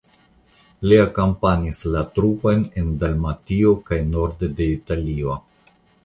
Li akompanis la trupojn en Dalmatio kaj norde de Italio.